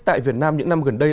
tại việt nam những năm gần đây